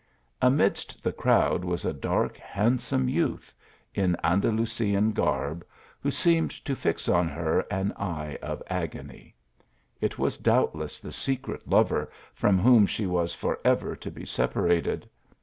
Amidst the crowd was a dark, handsome youth, in Andalusian garb, who seemed to fix on her an eye of agony. It was doubt less the secret lover from whom she was for ever to be separated.